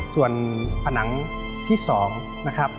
ส่วนผนังที่๒นะครับ